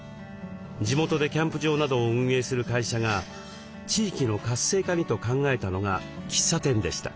地元でキャンプ場などを運営する会社が地域の活性化にと考えたのが喫茶店でした。